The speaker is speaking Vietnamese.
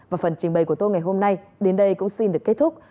và phần trình bày của tôi ngày hôm nay đến đây cũng xin được kết thúc